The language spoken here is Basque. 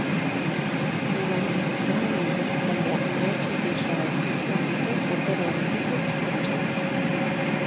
Ugariak dira migratzailea mehatxu gisa aurkezten duten botere handiko diskurtsoak.